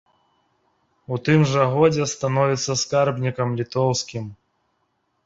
У тым жа годзе становіцца скарбнікам літоўскім.